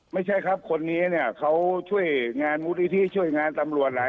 ไม่ใช่ครับคนนี้เนี่ยเขาช่วยงานมูลนิธิช่วยงานตำรวจหลาย